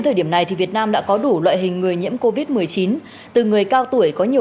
thời điểm này việt nam đã có đủ loại hình người nhiễm covid một mươi chín từ người cao tuổi có nhiều